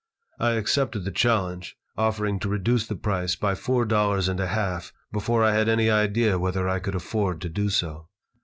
I accepted the challenge, offering to reduce the price by four dollars and a half before I had any idea whether I could afford to do so.